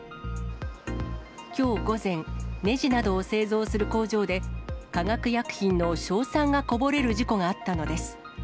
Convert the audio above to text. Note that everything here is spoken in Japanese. きょう午前、ねじなどを製造する工場で、化学薬品の硝酸がこぼれる事故があったのです。